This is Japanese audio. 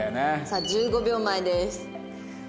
さあ１５秒前です。